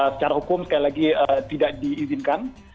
secara hukum sekali lagi tidak diizinkan